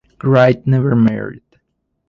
Wright never married.